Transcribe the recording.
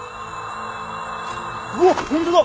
うわっ本当だ！